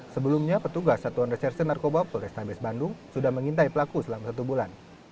sebelumnya petugas satuan reserse narkoba polrestabes bandung sudah mengintai pelaku selama satu bulan